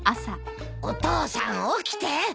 お父さん起きて。